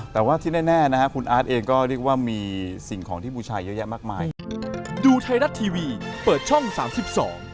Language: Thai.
แต่ว่าที่แน่นะครับคุณอาร์ดเองก็เรียกว่ามีสิ่งของที่บูชัยเยอะแยะมากมาย